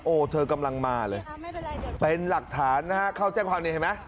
โอ้โหเธอกำลังมาเลยเป็นหลักฐานนะฮะเข้าแจ้งความนี่เห็นไหม